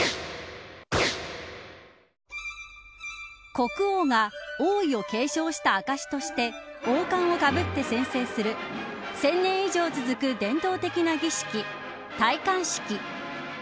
国王が王位を継承した証しとして王冠をかぶって宣誓する１０００年以上続く伝統的な儀式戴冠式。